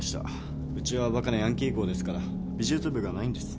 うちはバカなヤンキー校ですから美術部がないんです。